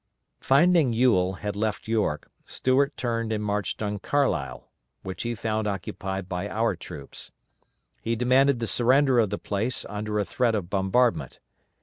Finding Ewell had left York, Stuart turned and marched on Carlisle, which he found occupied by our troops. He demanded the surrender of the place under a threat of bombardment.